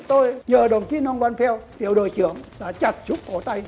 tôi nhờ đồng chí long van pheo tiểu đội trưởng đã chặt súng cỏ tay